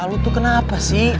lu tuh kenapa sih